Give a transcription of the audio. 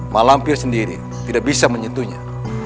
mak lampir sendiri tidak bisa menyentuhnya